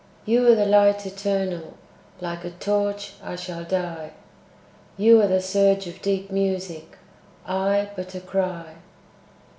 You are the light eternal Like a torch I shall die. You are the surge of deep music, I but a cry!